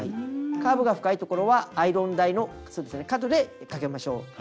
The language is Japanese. カーブが深いところはアイロン台のそうですね角でかけましょう。